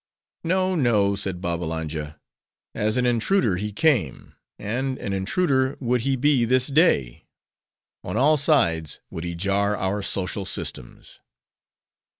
"No, no," said Babbalanja, "as an intruder he came; and an intruder would he be this day. On all sides, would he jar our social systems."